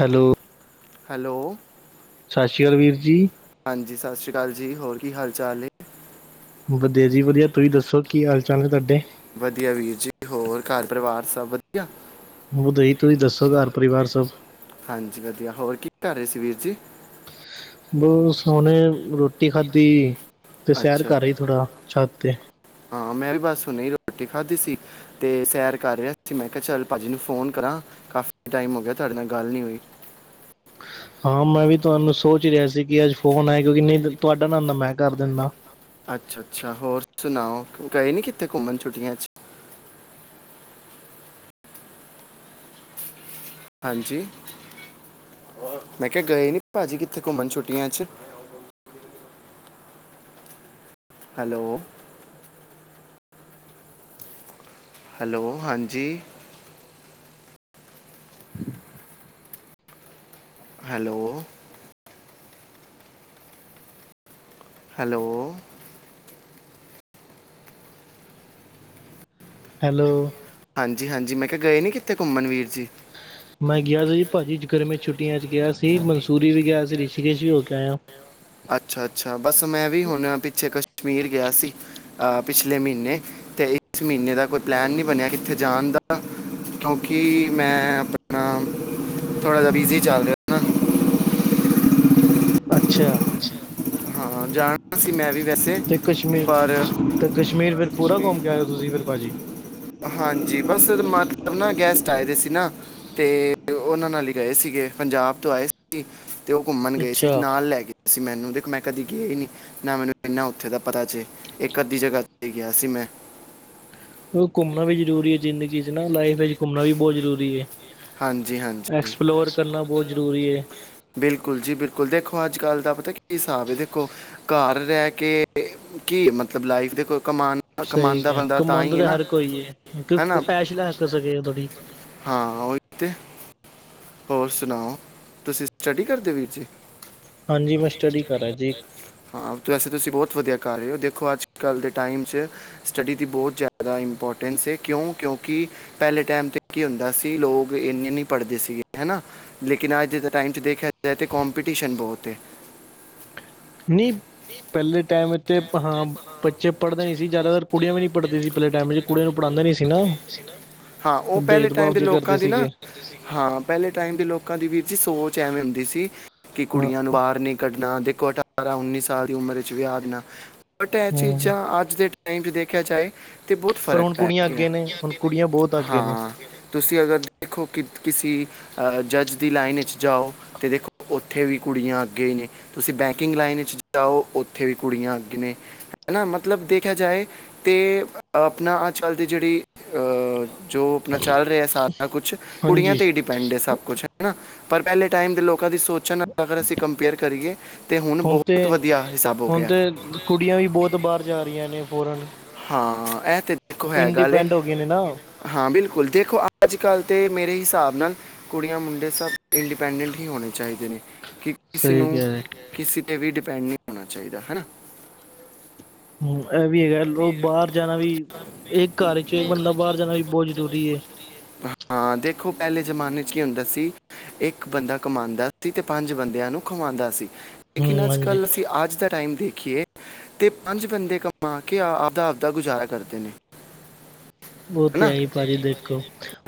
Hello! Hello ਸਤਿ ਸ਼੍ਰੀ ਹਾਂਜੀ। ਅਕਾਲ ਵੀਰ ਜੀ। ਸਤਿ ਸ਼੍ਰੀ ਅਕਾਲ ਜੀ ਹੋਰ ਕੀ ਹਾਲ ਚਾਲ ਏ ਵਧੀਆ ਜੀ ਵਧੀਆ ਤੁਸੀਂ ਦੱਸੋ ਕੀ ਹਾਲ ਚਾਲ ਏ ਤੁਹਾਡੇ ਵਧੀਆ ਵੀਰ ਜੀ ਹੋਰ ਘਰ ਪਰਿਵਾਰ ਸਭ ਵਧੀਆ ਵਧਈ ਤੁਸੀਂ ਦੱਸੋ ਘਰ ਪਰਿਵਾਰ ਸਭ ਹਾਂਜੀ ਵਧੀਆ ਹੋਰ ਕੀ ਕਰ ਰਹੇ ਸੀ ਵੀਰ ਜੀ? ਬਹੁਸ ਉਹਨੇ ਰੋਟੀ ਖਾਧੀ ਤੇ ਸੈਰ ਅੱਛਾ ਕਰ ਹੀ ਥੋੜ੍ਹਾ ਛੱਤ ਤੇ। ਹਾਂ ਮੈਂ ਵੀ ਬਸ ਉਹਨੇ ਰੋਟੀ ਖਾਧੀ ਸੀ ਅਤੇ ਸੈਰ ਕਰ ਰਿਹਾ ਸੀ। ਮੈਂ ਕਿਹਾ ਚੱਲ ਪਾ ਜੀ ਨੂੰ ਫੋਨ ਕਰਾਂ। ਕਾਫੀ ਟਾਈਮ ਹੋ ਗਿਆ ਤੁਹਾਡੇ ਨਾਲ ਗੱਲ ਨਹੀਂ ਹੋਈ। ਹਾਂ ਮੈਂ ਵੀ ਤੁਹਾਨੂੰ ਸੋਚ ਰਿਹਾ ਸੀ ਕਿ ਅੱਜ ਫੋਨ ਆਇਆ ਕਿਉਂਕਿ ਨਹੀਂ ਤੁਹਾਡਾ ਨਾ ਆਂਦਾ ਮੈਂ ਕਰ ਦਿੰਦਾ ਅੱਛਾ-ਅੱਛਾ ਹੋਰ ਸੁਣਾਓ ਗਏ ਨੀ ਕਿੱਥੇ ਘੁੰਮਣ ਛੁੱਟੀਆਂ ਚ ਹਾਂਜੀ। ਮੈਂ ਕਿਹਾ ਗਏ ਨੀ ਪਾਜੀ ਕਿੱਥੇ ਘੁੰਮਣ ਛੁੱਟੀਆਂ ਚ ਹੈਲੋ। ਹੈਲੋ ਹਾਂਜੀ। [inaudible] ਹੈਲੋ। ਹੈਲੋ- ਹੈਲੋ- ਹਾਂਜੀ-ਹਾਂਜੀ ਮੈਂ ਕਿਹਾ ਗਏ ਨੀ ਕਿੱਥੇ ਘੁੰਮਣ ਵੀਰ ਜੀ। ਮੈਂ ਗਿਆ ਮੈਂ ਸੀ ਜੀ ਪਾਜੀ ਪੂਰੀ ਗਰਮੀ ਦੀ ਚੱਕਰ ਵਿੱਚ ਛੁੱਟੀਆਂ ਚ ਗਿਆ ਸੀ, ਸੀਗੀਆਂ ਤੇ ਮਨਸੂਰੀ ਵੀ ਗਿਆ ਸੀ, ਰਿਸ਼ੀਕੇਸ਼ ਵੀ ਹੋ ਕੇ ਆਇਆ। ਅੱਛਾ-ਅੱਛਾ ਬਸ ਮੈਂ ਵੀ ਹੁਣ ਪਿੱਛੇ ਕਸ਼ਮੀਰ ਗਿਆ ਸੀ। ਪਿਛਲੇ ਮਹੀਨੇ ਤੇ ਇਸ ਮਹੀਨੇ ਦਾ ਕੋਈ ਪਲੈਨ ਨਹੀਂ ਬਣਿਆ ਕਿੱਥੇ ਜਾਣ ਦਾ ਕਿਉਂਕਿ ਮੈਂ ਆਪਣਾ ਥੋੜ੍ਹਾ ਜਿਹਾ ਬਿਜ਼ੀ ਚੱਲ ਰਿਹਾ ਨਾ [unintelligible] ਅੱਛਾ। ਹਾਂ ਜਾਣਾ ਸੀ। ਮੈਂ ਵੀ ਵੈਸੇ ਤੇ ਕਸ਼ਮੀਰ ਪਰ ਤੇ ਕਸ਼ਮੀਰ ਫਿਰ ਪੂਰਾ ਘੁੰਮ ਕੇ ਆਏ ਹੋ ਤੁਸੀਂ ਫਿਰ ਪਾਜੀ। ਹਾਂਜੀ ਬਸ ਮਤਲਬ ਨਾ ਗੈਸਟ ਆਏ ਦੇ ਸੀ ਨਾ ਤੇ ਉਹਨਾਂ ਨਾਲ ਹੀ ਗਏ ਸੀਗੇ ਪੰਜਾਬ ਤੋਂ ਆਏ ਸੀਗੇ। ਤੇ ਉਹ ਘੁੰਮਣ ਗਏ ਸੀ ਅੱਛਾ, ਨਾਲ ਲੈ ਕੇ- ਸੀ ਮੈਨੂੰ ਦੇਖ ਮੈਂ ਕਦੀ ਗਏ ਹੀ ਨੀ ਨਾ ਮੈਨੂੰ ਇੰਨਾ ਉੱਥੇ ਦਾ ਪਤਾ ਚ ਇੱਕ ਅੱਧੀ ਜਗ੍ਹਾ ਤੇ ਗਿਆ ਸੀ ਮੈਂ- [inaudible] ਘੁੰਮਣਾ ਵੀ ਜ਼ਰੂਰੀ ਏ ਜ਼ਿੰਦਗੀ ਚ ਨਾ ਲਾਈਫ ਵਿੱਚ ਘੁੰਮਣਾ ਵੀ ਬਹੁਤ ਜ਼ਰੂਰੀ ਏ। ਹਾਂਜੀ -ਹਾਂਜੀ, ਬਹੁਤ ਜ਼ਰੂਰੀ ਹੈ ਬਿਲਕੁਲ ਜੀ, ਬਿਲਕੁਲ ਦੇਖੋ ਅੱਜ ਅੱਜ ਕੱਲ ਦਾ ਪਤਾ ਕੀ ਹਿਸਾਬ ਹੈ, ਦੇਖੋ ਘਰ ਰਹਿ ਕੇ ਕੀ ਮਤਲਬ ਲਾਈਫ ਦੇਖੋ ਕਮਾਨ ਸਹੀ ਕਮਾਂਦਾ ਹੈ, ਬੰਦਾ ਤਾਂ ਹੀ ਕਮਾਉਂਦਾ ਹੈ ਤੇ ਨਾ ਹਰ ਕੋਈ ਹੈ, ਕਿ ਹੈਨਾ ਐਸ਼ ਲੈ ਸਕੇ ਥੋੜੀ ਹਾਂ, ਉਹੀ ਤੇ ਹੋਰ ਸੁਣਾਓ, ਤੁਸੀਂ ਸਟੱਡੀ ਕਰਦੇ ਵੀਰ ਜੀ? ਹਾਂਜੀ ਮੈਂ ਸਟੱਡੀ ਕਰ ਰਿਹਾ ਜੀ ਹਾਂ, ਵੈਸੇ ਤੁਸੀਂ ਬਹੁਤ ਵਧੀਆ ਕਰ ਰਹੇ ਹੋ, ਦੇਖੋ ਅੱਜ ਕੱਲ੍ਹ ਦੇ ਟਾਈਮ 'ਚ ਸਟੱਡੀ ਦੀ ਬਹੁਤ ਜ਼ਿਆਦਾ ਇੰਪੋਰਟੈਂਸ ਹੈ ਕਿਉਂ, ਕਿਉਂਕਿ ਪਹਿਲੇ ਟਾਈਮ ਤੇ ਕੀ ਹੁੰਦਾ ਸੀ, ਲੋਕ ਇੰਨੇ ਨਹੀਂ ਪੜ੍ਹਦੇ ਸੀ ਗੇ ਹੈ ਨਾ, ਲੇਕਿਨ ਅੱਜ ਦੇ ਟਾਈਮ 'ਚ ਦੇਖਿਆ ਜਾਏ ਤਾਂ, ਕੰਮਪੀਟੀਸ਼ਨ ਬਹੁਤ ਹੈ। ਨਹੀਂ, ਪਹਿਲੇ ਟਾਈਮ ਤੇ ਹਾਂ ਬੱਚੇ ਪੜ੍ਹਦੇ ਨਹੀਂ ਸੀ ਜ਼ਿਆਦਾਤਰ ਕੁੜੀਆਂ ਵੀ ਨੀ ਪੜ੍ਹਦੀ ਸੀ, ਪਹਿਲੇ ਟਾਈਮ ਵਿੱਚ ਕੁੜੀਆਂ ਨੂੰ ਪੜ੍ਹਾਂਦੇ ਨਹੀਂ ਸੀ ਨਾ। ਹਾ, ਉਹ ਪਹਿਲੇ ਟਾਈਮ ਭੇਦਭਾਵ ਦੇ ਜੇ ਲੋਕਾਂ ਕਰਦੇ ਦੀ ਨਾ ਸੀਗੇ ਹਾਂ, ਪਹਿਲੇ ਟਾਈਮ ਦੇ ਲੋਕਾਂ ਦੀ ਵੀਰ ਜੀ ਸੋਚ ਚ ਐਵੇਂ ਹੁੰਦੀ ਸੀ, ਕਿ ਹਾਂ ਕੁੜੀਆਂ ਨੂੰ ਬਾਹਰ ਨ ਕੱਢਣਾ ਦੇ ਅਠਾਰਾਂ ਉੱਨੀ ਸਾਲ ਦੀ ਉਮਰ ਚ, ਵਿਆਹ ਦੇਣਾ ਬਟ ਇਹ ਹੂੰ ਚੀਜ਼ਾਂ ਅੱਜ ਦੇ ਕਹੀਂ, ਵੀ ਦੇਖਿਆ ਜਾਏ ਤੇ ਬਹੁਤ ਪਰ ਫ਼ਰਕ ਹੁਣ ਪੈ ਕੁੜੀਆਂ ਗਿਆ, ਅੱਗੇ ਨੇ ਹੁਣ ਕੁੜੀਆਂ ਬਹੁਤ ਅੱਗੇ ਨੇ ਹਾਂ ਤੁਸੀਂ ਅਗਰ ਦੇਖੋ ਕਿਸੇ, ਅਹ ਜੱਜ ਦੀ ਲਾਈਨ ਵਿੱਚ ਜਾਓ, ਤੇ ਦੇਖੋ ਉੱਥੇ ਵੀ ਕੁੜੀਆਂ ਅੱਗੇ ਹੀ ਨੇ। ਤੁਸੀਂ ਬੈਂਕਿੰਗ ਲਾਈਨ ਚ, ਜਾਓ ਉੱਥੇ ਵੀ ਕੁੜੀਆਂ ਅੱਗੇ ਨੇ। ਹੈ ਨਾ ਮਤਲਬ ਦੇਖਿਆ ਜਾਏ, ਤਾਂ ਆਪਣਾ ਅਜ -ਕੱਲ੍ਹ ਦੀ ਜਿਹੜੀ ਜੋ ਆਪਣਾ ਚੱਲ ਰਿਹਾ, ਸਾਰਾ ਕੁਛ ਕੁੜੀਆਂ ਹਾਂਜੀ ਤੇ ਹੀ ਡਿਪੈਂਡ ਹੈ ਸਭ ਕੁਛ ਹਨਾ। ਪਰ ਪਹਿਲੇ, ਟਾਈਮ ਦੇ ਲੋਕ ਲੋਕਾਂ ਦੀ ਸੋਚਾਂ ਨਾਲ, ਅਗਰ ਅਸੀਂ ਕੰਪੇਅਰ ਕਰੀਏ ਤੇ, ਹੁਣ ਬਹੁਤ ਵਧੀਆ ਹਿਸਾਬ ਹੋ ਹੁਣ ਗਿਆ। ਤੇ ਕੁੜੀਆਂ ਵੀ ਬਹੁਤ ਬਾਹਰ ਜਾ ਰਹੀਆਂ ਨੇ ਫੋਰਨ- ਹਾਂ, ਇਹ ਤੇ ਦੇਖੋ ਹੈ ਗੱਲ, ਇੰਡੀਪੈਂਡ ਹੋ ਗਏ ਨੇ ਨਾ। ਹਾਂ ਬਿਲਕੁਲ ਦੇਖੋ ਅੱਜ -ਕੱਲ ਤੇ ਮੇਰੇ ਹਿਸਾਬ ਨਾਲ, ਕੁੜੀਆਂ ਮੁੰਡੇ ਸਭ ਇੰਡੀਪੈਂਡੈਂਟ ਹੀ ਹੋਣੇ ਚਾਹੀਦੇ ਨੇ। ਕਿ ਕਿਸੇ ਸਹੀ ਨੂੰ, ਕਹਿ ਰਹੇ। ਕਿਸੇ 'ਤੇ ਵੀ ਡਿਪੈਂਡ ਨਹੀਂ ਹੋਣਾ ਚਾਹੀਦਾ ਹੈ, ਨਾ ਹਮ, ਇਹ ਵੀ ਹੈਗਾ, ਲੋਕ ਬਾਹਰ ਜਾਣਾ ਵੀ ਇੱਕ ਘਰ ਚੋਂ ਇੱਕ ਬੰਦਾ ਬਾਹਰ ਜਾਣਾ ਵੀ ਬਹੁਤ ਜ਼ਰੂਰੀ ਹੈ। ਹਾਂ, ਦੇਖੋ ਪਹਿਲੇ ਜ਼ਮਾਨੇ ਚ ਕੀ ਹੁੰਦਾ ਸੀ, ਇੱਕ ਬੰਦਾ ਕਮਾਉਂਦਾ ਸੀ, ਤੇ ਪੰਜ ਬੰਦਿਆਂ ਨੂੰ ਖਵਾਉਂਦਾ ਸੀ। ਲੇਕਿਨ, ਹੂੰ ਅੱਜ ਹਾਂਜੀ। ਕੱਲ੍ਹ ਅਸੀਂ ਅੱਜ ਦਾ ਟਾਈਮ ਦੇਖੀਏ, ਤੇ ਪੰਜ ਬੰਦੇ ਕਮਾ ਕੇ ਕਿ ਆਪਦਾ, ਆਪਦਾ ਗੁਜ਼ਾਰਾ ਕਰਦੇ ਨੇ। ਉਹ ਤੇ ਹੈ ਹੀ, ਭਾਜੀ ਦੇਖੋ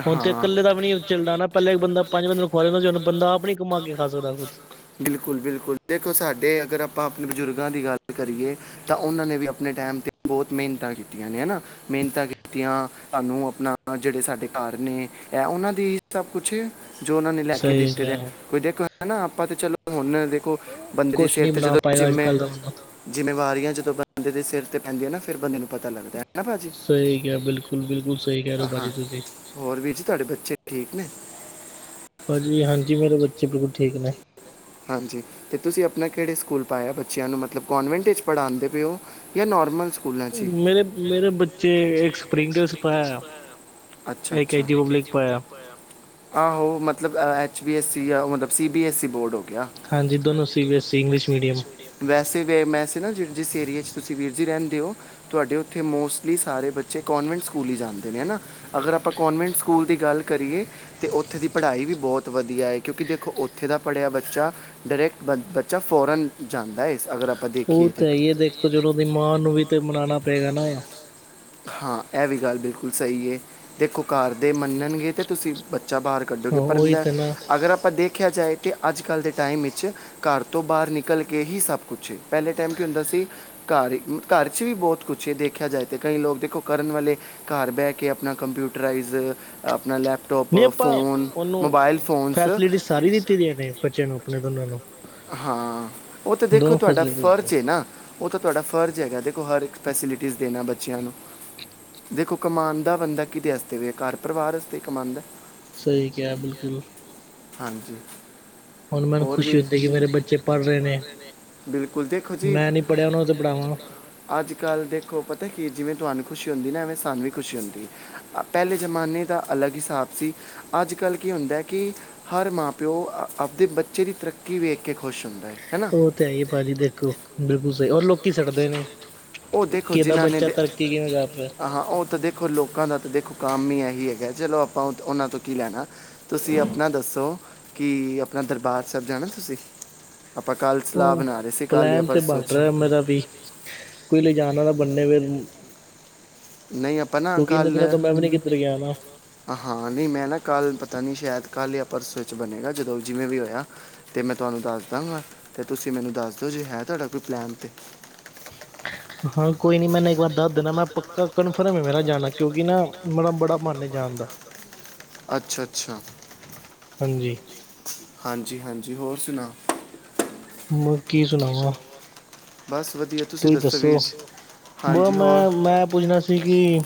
ਹੁਣ ਤੇ ਹਾਂ ਇਕੱਲੇ ਦਾ ਵੀ ਨੀ, ਚੱਲਦਾ ਨਾ, ਪਹਿਲਾਂ ਇੱਕ ਬੰਦਾ ਪੰਜ ਬੰਦੇ ਨੂੰ ਖੁਆ ਲੈੰਦਾ ਸੀ। ਹੁਣ ਬੰਦਾ ਆਪ ਨੀ ਕਮਾ ਕੇ ਖਾ ਸਕਦਾ ਖੁਦ। ਬਿਲਕੁਲ, ਬਿਲਕੁਲ। ਦੇਖੋ, ਸਾਡੇ ਅਗਰ ਆਪਾਂ ਬਜ਼ੁਰਗਾਂ ਦੀ ਗੱਲ ਲ ਕਰੀਏ, ਤਾਂ ਉਹਨਾਂ ਨੇ ਵੀ ਅਪਨੇ ਟੈਮ ਤੇ ਬਹੁਤ ਮਿਹਨਤਾਂ ਕੀਤੀਆਂ ਨੇ, ਹੈਨਾ ਮਿਹਨਤਾਂ ਕੀਤੀਆਂ, ਸਾਨੂੰ ਅਪਨਾ, ਜਿਹੜੇ ਸਾਡੇ ਘਰ ਨੇ ਏ ਉਹਨਾਂ ਦੀ ਹੀ ਸਭ ਕੁਛ। ਜੋ ਉਹਨਾਂ ਨੇ ਲੈਕੇ ਸਹੀ ਦਿੱਤੇ ਦੇ ਨ, ਕਿਹਾ। ਕੋਈ ਦੇਖੋ ਨਾ, ਆਪਾਂ ਤੇ ਚਲੋ ਹੁਣ ਦੇਖੋ, ਬੰਦੇ ਦੇ ਕੁਛ ਸਿਰ ਨਹੀਂ ਤੇ, ਬਣਾ ਜਦੋਂ ਪਾਏਗਾ ਅੱਜ ਕੱਲ੍ਹ ਦਾ ਬੰਦਾ। ਜਿੰਮੇ-ਜਿੰਮੇ ਵਪਾਰੀਆਂ, ਜਦੋਂ ਬੰਦੇ ਦੇ ਸੇਰ ਤੇ ਪੈਂਦੀਆਂ ਨਾ, ਫੇਰ ਬੰਦੇ ਨੂੰ ਪਤਾ ਲੱਗਦੈ। ਸਹੀ ਕਿਹਾ, ਬਿਲਕੁਲ, ਬਿਲਕੁਲ ਸਹੀ ਕਿਹ ਰਹੇ ਹੋ, ਹਾਂ ਭਾਜੀ ਤੁਸੀ। ਹੋਰ ਵੀਰ ਜੀ, ਤੁਹਾਡੇ ਬੱਚੇ ਠੀਕ ਨੇ? ਭਾਜੀ, ਹਾਂਜੀ, ਮੇਰੇ ਬੱਚੇ ਬਿਲਕੁਲ ਠੀਕ ਨੇ। ਹਾਂਜੀ। ਤੇ ਤੁਸੀ ਅਪਨਾ ਕਿਹੜੇ ਸਕੂਲ ਪਾਇਆ ਬੱਚਿਆਂ ਨੂੰ? ਮਤਲਬ ਕੋਨਵੈਂਟ ਵਿੱਚ ਪੜ੍ਹਾਉੰਦੇ ਪਏ ਹੋ ਯਾ, ਨੋਰਮਲ? ਮੇਰੇ, ਮੇਰੇ ਬੱਚੇ ਇੱਕ ਸਪਰਿੰਗ ਡੇਲਸ ਪਾਇਆ ਅੱਛਾ, ਇੱਕ ਅੱਛਾ। ਐਚ ਡੀ ਪਬਲਿਕ ਪਾਇਆ। ਆਹੋ, ਮਤਲਬ ਐਚ ਬੀ ਐਸ ਸੀ ਯਾ ਮਤਲਬ C -B- S -C, board ਹੋ ਹਾਂਜੀ ਦੋਨੋਂ C B S E English medium ਵੈਸੇ ਵੀ [unintelligible] ਜਿਸ ਏਰੀਏ ਚ, ਤੁਸੀਂ ਵੀਰ ਜੀ ਰਹਿੰਦੇ ਔ, ਤੁਆਡੇ ਔਥੇ ਮੋਸਟਲੀ ਸਾਰੇ ਬੱਚੇ ਕੋਂਨਵੈਂਟ ਸਕੂਲ ਈ ਜਾਂਦੇ ਨੇ ਹੈ ਨਾ, ਅਗਰ ਆਪਾ ਕੋਨਵੈਂਟ ਸਕੂਲ ਦੀ ਗੱਲ ਕਰੀਏ ਤੇ, ਉਥੇ ਦੀ ਪੜ੍ਹਾਈ ਵੀ ਬਹੁਤ ਵਧੀ ਕਿਉਂਕਿ ਦੇਖੋ, ਔਥੇ ਦਾ ਪੜ੍ਹਿਆ ਬੱਚਾ ਡੇਰੈਕਟ ਬੱਚਾ ਫੋਰਨ ਜਾਂਦਾ ਏ। ਔ ਤਾਂ ਹੈ ਈ ਹੈ। ਦੇਖੋ, ਚਲੋ ਔਦੀ ਮਾਂ ਨੂੰ ਵੀ ਤੇ ਮਨਾਨਾ ਪਏਗਾ ਨਾ। ਹਾਂ, ਏਵੀ ਗਾਲ ਬਿਲਕੁਲ ਸਈ ਏ। ਦੇਖੋ ਕਾਰ ਦੇ ਮੰਨਨ ਗੇ ਤੇ ਤੁਸੀਂ ਬੱਚਾ ਬਾਰ ਹਾਂ ਕੱਢੋਗੇ ਪਰ, ਉਹੀ ਤੇ ਨਾ ਅਗਰ ਅਪਾਂ ਦੇਖਿਆ ਜਾਏ ਤੇ ਅੱਜ ਕੱਲ੍ਹ, ਦੇ ਟਾਈਮ ਵਿੱਚ ਘਰ ਤੋ ਬਾਹਰ ਨਿਕਲ ਕੇ, ਸਭ ਕੁੱਛ ਪਹਿਲੇ ਟਾਈਮ ਕੀ ਹੁੰਦਾ ਸੀ। ਘਰ, ਘਰ ਚ ਵੀ ਬਹੁਤ ਕੁਛ ਏ, ਦੇਖਿਆ ਜਾਏ ਤੇ ਕਈ ਲੋਕ, ਦੇਖੋ ਕਰਨ ਵਾਲੇ, ਘਰ ਬਹਿ ਕੇ, ਅਪਨਾ ਕੰਪਿਊਟਰਾਈਜ਼, ਅਪਨਾ ਲੈਪ ਨੀ ਆਪਾ, ਔਨੂੰ ਫੋਨਸ ਫੈਸਲਿਟੀ ਸਾਰੀ ਦਿੱਤੀ ਦੀ ਨੇ ਬੱਚਿਆਂ ਨੂੰ, ਅਪਨੇ ਦੋਨਾਂ ਨੂੰ। ਹਾਂ, ਔ ਤੇ ਦੇਖੋ ਦੋਨੋਂ ਤੁਆਡਾ, ਫੈਸਿਲਿਟੀ ਦਿੱਤੀ ਫਰਜ਼ ਏ ਨਾ। ਔ ਤੇ, ਤੁਆਡਾ ਫਰਜ਼ ਹੈਗਾ, ਦੇਖੋ ਹਰ ਇੱਕ ਫੈਸਿਲਿਟੀਜ਼ ਦੇਨਾ, ਬੱਚਿਆਂ ਨੂੰ। ਦੇਖੋ, ਕਮਾਦਾ ਬੰਦਾ ਕਿਦੇ ਵਾਸਤੇ ਵੇ, ਘਰ ਪਰਵਾਰ ਵਾਸਤੇ ਕਮਾਦਾ । ਸਹੀ, ਕਿਆ ਬਿਲਕੁਲ। ਹਾਂਜੀ। ਹੁਨ ਮੈਨੂੰ, ਹੋਰ ਖੁਸ਼ੀ ਵੀਰ ਹੁੰਦੀ ਏ, ਕਿ ਮੇਰੇ ਬੱਚੇ ਪੜ੍ਹ ਰਏ ਨੇ। ਬਿਲਕੁਲ ਦੇਖੋ ਜੀ ਮੈਂ ਨੀ ਪੜ੍ਹਿਆ, ਔਨਾ ਨੂ ਤੇ ਪੜ੍ਹਾਵਾਂ। ਅੱਜ ਕੱਲ ਦੇਖੋ, ਪਤੇ ਕੀ ਜਿਵੇਂ ਤੁਆਨੂੰ ਖੁਸ਼ੀ ਹੁੰਦੀ ਨਾ, ਐਵੇਂ ਸਾਨੂੰ ਵੀ ਖੁਸ਼ੀ ਹੁੰਦੀ ਏ। ਪਹਿਲੇ ਜਮਾਨੇ ਦਾ, ਅਲੱਗ ਹਿਸਾਬ ਸੀ। ਅੱਜ ਕੱਲ ਕਿ ਹੁੰਦਾ ਕਿ, ਹਰ ਮਾਂ-ਪਿਓ ਆਪਦੇ ਬੱਚੇ ਦੀ, ਤਰੱਕੀ ਵੇਖ ਕੇ ਖੁਸ਼ ਹੁੰਦਾ ਹੈ ਹੈਨਾ ਔ ਤੇ ਹੈਈ ਹੈ, ਭਾਜੀ ਜੀ। ਦੇਖੋ ਬਿਲਕੁਲ ਸਹੀ ਔਰ, ਲੋਕੀ ਸੱੜਦੇ ਨੇ। ਔ ਦੇਖੋ, ਕਿ ਇਹਦਾ ਜਿਨਾ ਨੇ ਬੱਚਾ ਤੇ ਤਰੱਕੀ ਕਿਵੇਂ ਕਰ ਰਿਹਾ ਹਾਂ, ਔ ਤਾਂ ਦੇਖੋ, ਲੋਕਾਂ ਦਾ ਤੇ ਦੇਖੋ, ਕਾਮ ਹੀ ਏਹੀ ਹੈਹਾਂ। ਚਲੋ ਅਪਾਂ ਔਨਾਂ ਤੋਂ ਕੀ ਲੈਨਾ, ਤੁਸੀਂ ਅਪਨਾ ਦੱਸੋ ਕਿ, ਅਪਨਾ ਦਰਬਾਰ ਸਾਹਿਬ ਜਾਨਾ ਤੁਸੀਂ? [inaudible] ਸਲਾਹ ਔ ਬਣਾ ਰਹੇ ਸੀ ਕੱਲ ਜਾਂ ਪਲੈਨ ਤੇ ਪਰਸੋਂ ਬਣ ਚ ਰਿਹਾ ਮੇਰਾ ਵੀ, ਕੋਈ ਲਿਜਾਣ ਵਾਲਾ ਬਣੇ ਫੇਰ ਨਈ, ਆਪਾ ਨਾ ਇੰਨੇ ਕੱਲ, ਦਿਨਾਂ ਤੋਂ ਮੈਂ ਵੀ ਨੀ ਕਿੱਧਰ ਗਿਆ ਨਾ। ਹਾਂ ਨੀ ਮੈਂ ਨਾ ਕੱਲ ਪਤਾ ਨੀ ਸ਼ਾਇਦ, ਕੱਲ ਜਾਂ ਪਰਸੋਂ ਚ ਬਣੇਗਾ ਜਦੋਂ, ਜਿਵੇਂ ਵੀ ਹੋਇਆ, ਤੇ ਮੈਂ ਤੁਆਨੂੰ ਦੱਸ ਦਾਂ ਗਾ, ਤੇ ਤੁਸੀਂ ਮੈਨੂੰ ਦਾਸ ਦੱਸ ਦਿਓ, ਜੇ ਹੈ ਤੁਆਡਾ ਕੋਈ ਪਲੈਨ ਤੇ। ਹਾਂ ਕੋਈ ਨੀ, ਮੈਨ ਏਕ ਵਾਰ ਦਾਸ ਦੇਨਾ, ਮੈਂ ਪੱਕਾ ਕਨਫਰਮ ਏ, ਮੇਰਾ ਜਾਨਾ ਕਿਉਂਕਿ ਨਾ ਮੇਰਾ, ਬੜਾ ਮਨ ਏ, ਜਾਨ ਦਾ। ਅੱਛਾ ਅੱਛਾ ਹਾਂਜੀ। ਹਾਂਜੀ--ਹਾਂਜੀ ਹੋਰ ਸੁਨਾਓ। ਹੋਰ ਕੀ ਸੁਨਾਵਾਂ। ਬਸ ਵਧੀਆ ਤੁਸੀਂ ਦੱਸੋ, ਵੀਰ ਜੀ ਬਸ ਹਾਂਜੀ ਹੋਰ ਮੈਂ, ਮੈਂ ਪੁੱਛਨਾ ਸੀ ਕਿ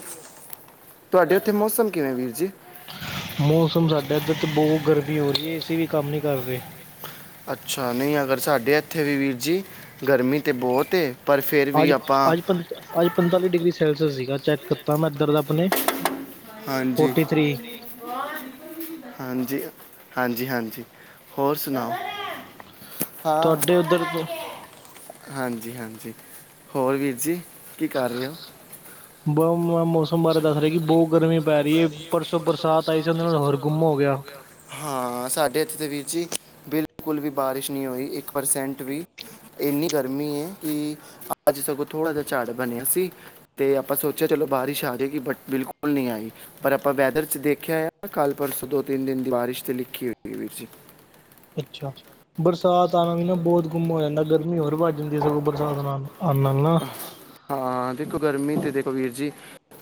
ਤੁਹਾਡੇ, ਉੱਥੇ ਮੌਸਮ ਕਿਵੇਂ ਵੀਰ ਜੀ? ਮੌਸਮ ਸਾਡਾ ਇੱਧਰ ਤਾਂ, ਬਹੁਤ ਗਰਮੀ ਹੋ ਰਹੀ ਹੈ ਏ ਸੀ, ਵੀ ਕੰਮ ਨਹੀਂ ਕਰਦੇ, ਅੱਛਾ, ਨਹੀਂ ਅਗਰ ਸਾਡੇ ਇੱਥੇ ਵੀ, ਵੀਰ ਜੀ ਗਰਮੀ ਤਾਂ ਬਹੁਤ। ਪਰ ਫਿਰ ਵੀ ਆਪਾਂ ਅੱਜ-ਅੱਜ ਪੰਤਾਲੀ ਡਿਗਰੀ, ਸੈਲਸੀਅਸ ਸੀਗਾ ਚੈ ਤਾ ਮੈਂ, ਇਧਰ ਆਪਣੇ, ਹਾਂਜੀ ਫੋਰਟੀ ਥਰੀ। ਹਾਂਜੀ-ਹਾਂਜੀ, ਹੋਰ ਸੁਣਾਓ? ਹਾਂ ਤੁਹਾਡੇ ਉੱਧਰ ਤੋਂ ਹਾਂਜੀ। ਜੀ, ਹਾਂਜੀ ਹੋਰ ਵੀਰ ਜੀ ਕੀ ਕਰ ਰਹੇ ਹੋ? ਮੌਸਮ, ਬਾਰੇ ਦੱਸ ਰਹੀ ਕਿ, ਬਹੁਤ ਗਰਮੀ ਪੈ ਰਹੀ ਏ। ਪਰਸੋ, ਬਰਸਾਤ ਆਈ ਸੀ। ਸਾਡੇ ਇਥੇ ਗੁਮ ਹੋ ਗਿਆ, ਹਾਂ ਸਾਡੇ ਇੱਥੇ ਤੇ ਵੀਰ ਜੀ, ਬਿਲਕੁਲ ਵੀ, ਬਾਰਿਸ਼ ਨਹੀਂ ਹੋਈ ਇੱਕ ਪਰਸੈਂਟ ਵੀ। ਇੰਨੀ ਗਰਮੀ ਹੈ, ਕਿ ਅੱਜ ਸਗੋਂ ਥੋੜਾ ਜਹਾ ਝੜ ਬਣਿਆ ਸੀ। ਤੇ ਆਪਾਂ ਸੋਚਿਆ। ਬਾਰਿਸ਼ ਆਵੇਗੀ, ਪਰ ਬਿਲਕੁਲ ਨਹੀਂ ਆਈ, ਪਰ ਆਪਾਂ ਵੈਦਰ ਤੁਸੀਂ, ਦੇਖਿਆ ਕੱਲ੍ਹ ਪਰਸੋਂ ਦੋ ਤਿੰਨ ਦਿਨ ਦੀ ਬਾਰਿਸ਼ ਤੇ ਲਿਖੀ, ਹੋਈ ਵੀਰ ਜੀ ਅੱਛਾ, ਬਰਸਾਤ ਆਣ ਨਾਲ ਨਾ, ਬਹੁਤ ਗੁੰਮ ਹੋ ਜਾਂਦਾ, ਗਰਮੀ ਹੋਰ ਵੱਧ ਜਾਂਦੀ ਸਗੋਂ ਬਰਸਾਤ ਨਾਲ। ਆਣ ਨਾਲ ਨਾ ਹਾ ਦੇਖੋ ਗਰਮੀ ਤੇ ਦੇਖੋ ਵੀਰ ਜੀ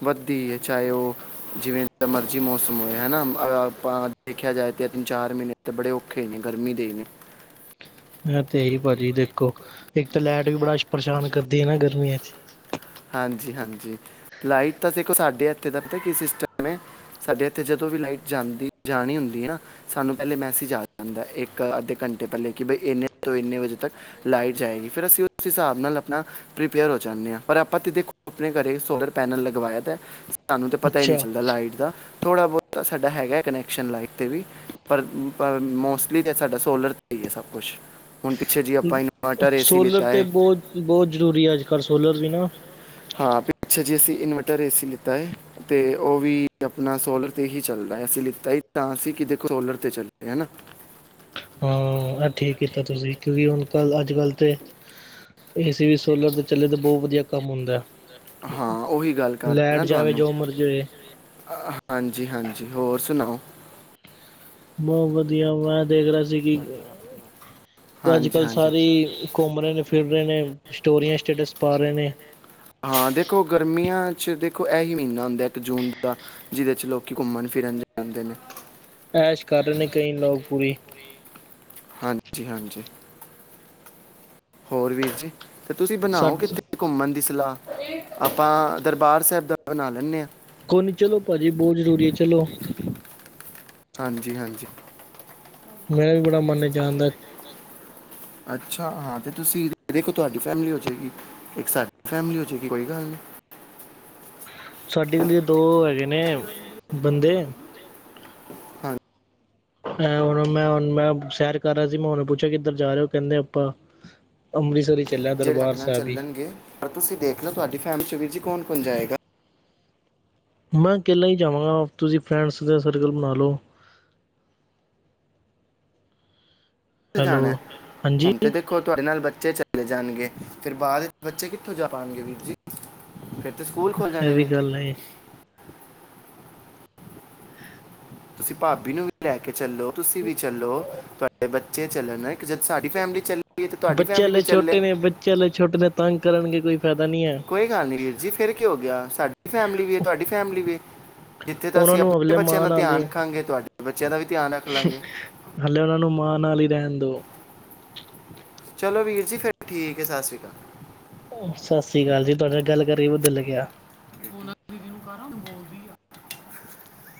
ਵੱਧਦੀ ਹੈ, ਚਾਹੇ ਉਹ ਜਿਵੇਂ ਮਰਜ਼ੀ ਮੌਸਮ ਹੋਏ, ਹਨਾ ਅ ਆਪਾਂ ਦੇਖਿਆ ਜਾਏ। ਤਿੰਨ ਚਾਰ ਮਹੀਨੇ ਤੇ ਬੜੇ ਔਖੇ ਨੇ ਗਰਮੀ ਦੇ ਨੇ। ਹੈ ਤੇ ਇਹੀ ਭਾਜੀ ਦੇਖੋ ਇੱਕ ਤਾਂ ਲਾਈਟ ਵੀ ਬੜਾ ਪਰੇਸ਼ਾਨ ਕਰਦੀ ਹੈ ਨਾ ਗਰਮੀਆਂ 'ਚ ਹਾਂਜੀ-ਹਾਂਜੀ ਲਾਈਟ ਤਾਂ ਦੇਖੋ ਸਾਡੇ ਹੱਥੇ ਦਾ ਪਤਾ ਕੀ ਸਿਸਟਮ ਹੈ। ਸਾਡੇ ਇੱਥੇ ਜਦੋਂ ਵੀ ਲਾਈਟ ਜਾਂਦੀ ਜਾਣੀ ਹੁੰਦੀ ਹੈ ਨਾ ਸਾਨੂੰ ਪਹਿਲੇ ਮੈਸੇਜ ਆ ਜਾਂਦਾ ਇੱਕ ਅੱਧੇ ਘੰਟੇ ਘੰਟੇ ਪਹਿਲੇ ਕਿ ਬਈ ਇੰਨੇ ਤੋਂ ਇੰਨੇ ਵਜੇ ਤੱਕ ਲਾਈਟ ਜਾਏਗੀ ਫਿਰ ਅਸੀਂ ਉਸ ਹਿਸਾਬ ਨਾਲ ਆਪਣਾ ਪ੍ਰੀਪੇਅਰ ਹੋ ਜਾਂਦੇ ਹਾਂ। ਪਰ ਆਪਾਂ ਤੇ ਦੇਖੋ ਆਪਣੇ ਘਰੇ ਸੋਲਰ ਪੈਨਲ ਲਗਵਾਇਆ ਤਾਂ ਸਾਨੂੰ ਤੇ ਪਤਾ ਹੀ ਨਹੀਂ ਅੱਛਾ ਚੱਲਦਾ ਲਾਈਟ ਦਾ। ਥੋੜ੍ਹਾ ਬਹੁਤਾ ਸਾਡਾ ਹੈਗਾ ਕਨੈਕਸ਼ਨ ਲਾਈਟ ਤੇ ਵੀ ਪਰ ਮੋਸਟਲੀ ਤਾਂ ਸਾਡਾ ਸੋਲਰ ਤੇ ਇਹ ਸਭ ਕੁਛ ਸੋਲਰ ਤੇ ਹੈ ਬਹੁਤ-ਬਹੁਤ ਜ਼ਰੂਰੀ ਹੈ ਅੱਜ ਕੱਲ੍ਹ ਸੋਲਰ ਵੀ ਨਾ ਹਾਂ ਪਿੱਛੇ ਜੇ ਅਸੀਂ ਇਨਵਰਟਰ ਏ ਸੀ ਲਿੱਤਾ ਹੈ ਤੇ ਉਹ ਵੀ ਆਪਣਾ ਸੋਲਰ ਤੇ ਹੀ ਚੱਲਦਾ। ਆ ਸੀ ਲਿੱਤਾ ਸੀ ਤਾਂ ਅਸੀਂ ਕਿ ਦੇਖੋ ਸੋਲਰ ਤੇ ਚੱਲ ਹਨਾ। ਹਾਂ ਇਹ ਠੀਕ ਕੀਤਾ ਤੁਸੀਂ ਕਿਉਂਕਿ ਹੁਣ ਕ ਅੱਜ-ਕੱਲ੍ਹ ਤੇ ਏ ਸੀ ਵੀ ਸੋਲਰ ਤੇ ਚੱਲੇ ਤੇ ਬਹੁਤ ਵਧੀਆ ਕੰਮ ਹੁੰਦਾ। ਹਾਂ ਉਹੀ ਗੱਲ ਕਰ ਦਾ ਲੈਟ ਨਾ ਜਾਵੇ ਤੁਹਾਨੂੰ ਜੋ ਮਰਜ਼ੀ ਹੋਏ ਹਾਂਜੀ-ਹਾਂਜੀ ਹੋਰ ਸੁਣਾਓ? ਬਹੁਤ ਵਧੀਆ ਮੈਂ ਦੇਖ ਰਿਹਾ ਸੀ ਕਿ ਤੇ ਅੱਜ ਹਾਂਜੀ ਕੱਲ੍ਹ ਹਾਂਜੀ ਸਾਰੇ ਘੁੰਮ ਰਹੇ ਨੇ ਫਿਰ ਰਹੇ ਨੇ। ਸਟੋਰੀਆਂ ਸਟੇਟਸ ਪਾ ਰਹੇ ਨੇ ਹਾਂ ਦੇਖੋ ਗਰਮੀਆਂ 'ਚ ਦੇਖੋ ਇਹੀ ਮਹੀਨਾ ਹੁੰਦਾ ਇੱਕ ਜੂਨ ਦਾ ਜਿਹਦੇ ਚ ਲੋਕ ਘੁੰਮਣ ਫਿਰਨ ਜਾਂਦੇ ਨੇ। ਐਸ਼ ਕਰ ਰਹੇ ਨੇ ਕਈ ਲੋਕ ਪੂਰੀ ਹਾਂਜੀ-ਹਾਂਜੀ ਹੋਰ ਵੀਰ ਜੀ। ਤੇ ਤੁਸੀਂ ਸਾ ਬਣਾਓ ਕਿੱਥੇ ਘੁੰਮਣ ਦੀ ਸਲਾਹ ਆਪਾਂ ਦਰਬਾਰ ਸਾਹਿਬ ਦਾ ਬਣਾ ਲੈਂਦੇ ਹਾਂ। ਕੋਈ ਨਈ, ਚਲੋ ਭਾਜੀ ਬਹੁਤ ਜ਼ਰੂਰੀ ਹੈ ਚਲੋ, ਹਾਂਜੀ-ਹਾਂਜੀ ਮੇਰਾ ਵੀ ਬੜਾ ਮੰਨ ਏ ਜਾਣ ਦਾ। ਅੱਛਾ ਹਾਂ ਤੇ ਤੁਸੀਂ ਦੇਖੋ ਤੁਹਾਡੀ ਫੈਮਲੀ ਹੋ ਜਾਏਗੀ ਇੱਕ ਸਾਡੀ ਫੈਮਿਲੀ ਹੋ ਜਾਏਗੀ ਕੋਈ ਗੱਲ ਨਹੀਂ। [inaudible] ਸਾਡੀੇ ਗਲੀ ਦੋ ਹੈਗੇ ਨੇ ਬੰਦੇ ਹਾਂਜੀ ਹੁਣ ਮੈਂ- ਹੁਣ ਮੈਂ ਸੈਰ ਕਰ ਰਿਹਾ ਸੀ ਮੈਂ ਉਹਨੂੰ ਪੁੱਛਿਆ ਕਿੱਧਰ ਜਾ ਰਹੇ ਹੋ ਕਹਿੰਦੇ ਆਪਾਂ ਅੰਮ੍ਰਿਤਸਰ ਈ। ਜਿਹੜੇ ਸਾਡੇ ਨਾਲ ਚੱਲਣਗੇ ਪਰ ਤੁਸੀਂ ਦੇਖ ਲਓ ਤੁਹਾਡੀ ਫੈਮਿਲੀ -ਚ ਵੀਰ ਜੀ ਕੌਣ-ਕੌਣ ਜਾਏਗਾ। ਮੈਂ ਅਕਲਾ ਹੀ ਜਾਵਾਂਗਾ ਤੁਸੀਂ ਫਰੈਂਡਸ ਦੇ ਸਰਕਲ ਬਣਾ ਲਓ। ਜਾਣਾ ਹੈਲੋ ਹਾਂਜੀ ਹੁਣ ਤੇ ਦੇਖੋ ਤੁਹਾਡੇ ਨਾਲ ਬੱਚ ਬੱਚੇ ਚਲੇ ਜਾਣਗੇ ਫੇਰ ਬਾਅਦ ਬੱਚੇ ਕਿੱਥੋਂ ਜਾ ਪਾਉਣਗੇ ਵੀਰ ਜੀ ਫ ਅਤੇ ਸਕੂਲ ਖੁੱਲ੍ਹ ਇਹ ਜਾਣੇ ਵੀ ਨੇ। ਗੱਲ ਹੈ ਤੁਸੀਂ ਭਾਬੀ ਨੂੰ ਵੀ ਲੈ ਕੇ ਚੱਲੋ ਤੁਸੀਂ ਵੀ ਚੱਲੋ ਤੁਹਾਡੇੇ ਤੇ ਬੱ ਚੱਲਣਣਾ ਜਦ ਸਾਡੀ ਫੈਮਿਲੀ ਚੱਲ ਬੱਚਿਆਂ ਹਲੇ ਛੋਟੇ ਨੇ ਬੱਚਿਆਂ ਹਲੇ ਛੋਟੇ ਨੇ ਤੰਗ ਕਰਨਗੇ। ਕੋਈ ਫਾਇਦਾ ਨਹੀਂ ਹੈ ਕੋਈ ਗੱਲ ਨਹੀਂ ਵੀਰ ਜੀ ਫਿਰ ਕਿ ਹੋ ਗਿਆ ਸਾਡੀ ਫੈਮਿਲੀ ਵੀ ਤੁਹਾਡੀ ਫੈਮਿਲੀ ਵੀ ਜਿੱਥੇ ਤਾਂ ਉਹਨਾਂ ਅਸੀਂ ਨੂੰ ਆਪਣੇ ਹਲੇ ਬੱਚਿਆਂ ਦਾ ਧਿਆਨ ਰੱਖਾਂਗੇ ਤੁਹਾਡੇ ਬੱਚਿਆਂ ਦਾ ਵੀ ਧਿਆਨ ਰੱਖ ਲਾਂਗੇ ਹੱਲੇ ਉਹਨਾਂ ਨੂੰ ਮਾਂ ਨਾਲ ਈ ਰਹਿਣ ਦਿਉ। ਚਲੋ ਵੀਰ ਜੀ ਫੇਰ ਠੀਕ ਹੈ ਸਤਿ ਸ੍ਰੀ ਅਕਾਲ। ਸਤਿ ਸ੍ਰੀ ਅਕਾਲ ਜੀ ਤੁਹਾਡੇ ਨਾਲ ਗੱਲ ਕਰਕੇ ਵਧੀਆ ਲੱਗਿਆ। [inaudible]